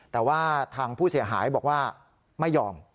แต่ว่าทางผู้เสียหายบอกว่าไม่ยอม